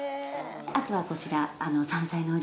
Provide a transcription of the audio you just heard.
あとはこちら。